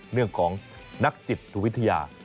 เรื่องของนักจิตวิทยา